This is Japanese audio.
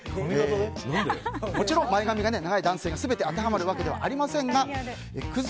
もちろん前髪が長い男性が全て当てはまるわけではありませんがクズ